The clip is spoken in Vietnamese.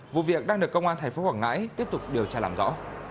vụ việc đang được công an tp quảng ngãi tiếp tục điều tra làm rõ